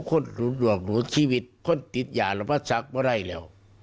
คนหลุดหลวงหลุดชีวิตคนติดยาละมัดสักมาได้แล้ว